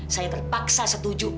saya terpaksa setuju